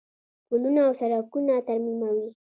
پلونه او سړکونه ترمیموي.